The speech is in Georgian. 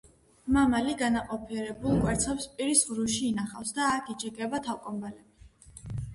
მამალი განაყოფიერებულ კვერცხებს პირის ღრუში ინახავს და აქ იჩეკება თავკომბალები.